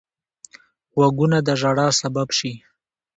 غوږونه د ژړا سبب شي